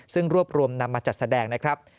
ซึ่งรวบรวมนำมาจัดแสดงนะครับ